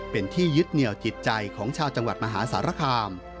เป็นที่ยึดเหนียวจิตใจของชาวจังหวัดมหาสารคาม